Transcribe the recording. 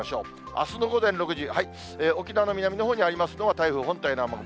あすの午前６時、沖縄の南のほうにありますのは、台風本体の雨雲。